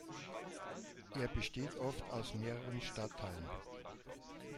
Er besteht oft aus mehreren Stadtteilen.